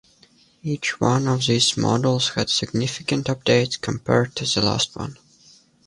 Each one of these modules had significant upgrades compared to the last one.